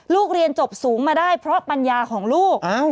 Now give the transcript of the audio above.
เรียนจบสูงมาได้เพราะปัญญาของลูก